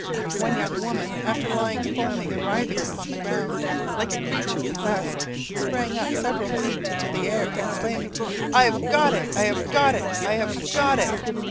"One young woman, after lying foaming and writhing upon the ground, like a creature possessed, sprang up several feet into the air, exclaiming, 'I have got it! I have got it! I have got it!'